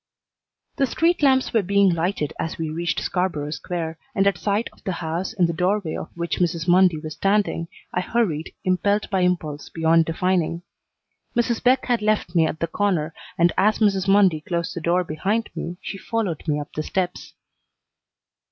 The street lamps were being lighted as we reached Scarborough Square, and at sight of the house, in the doorway of which Mrs. Mundy was standing, I hurried, impelled by impulse beyond defining. Mrs. Beck had left me at the corner, and as Mrs. Mundy closed the door behind me she followed me up the steps.